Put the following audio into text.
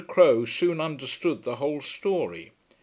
Crowe soon understood the whole story.